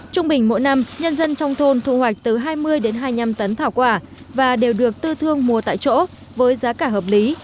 trung bình mỗi năm nhân dân trong thôn thu hoạch từ hai mươi đến hai mươi năm tấn thảo quả và đều được tư thương mua tại chỗ với giá cả hợp lý